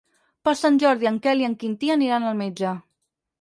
Per Sant Jordi en Quel i en Quintí aniran al metge.